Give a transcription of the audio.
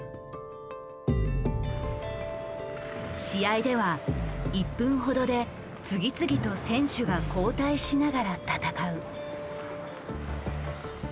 試合では１分ほどで次々と選手が交代しながら戦う。